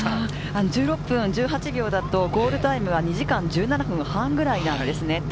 １６分１８秒だとゴールタイムは２時間１７分半ぐらいになるんですね。